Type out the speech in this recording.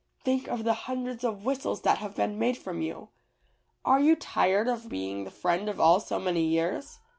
Think of the hundreds of whistles that have been made from you. Are you tired of being the friend of all so many years?"